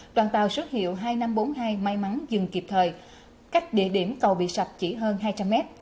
đoàn tàu xuất hiệu hai nghìn năm trăm bốn mươi hai may mắn dừng kịp thời cách địa điểm cầu bị sập chỉ hơn hai trăm linh m